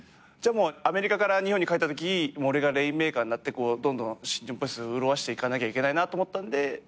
じゃあアメリカから日本に帰ったとき俺がレインメーカーになってどんどん新日本プロレス潤していかなきゃいけないなと思ったんで。